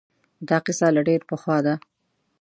دا قصه له ډېر پخوا ده